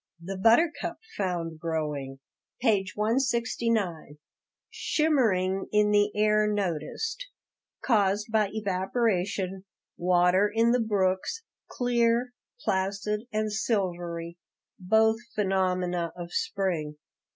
The butter cup found growing. Shimmering in the air noticed, caused by evaporation; water in the brooks, "clear, placid, and silvery," both phenomena of spring.